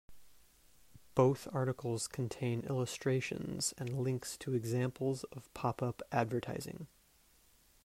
Both articles contain illustrations and links to examples of pop-up advertising.